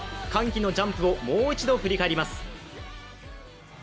歓喜のジャンプをもう一度振り返ります。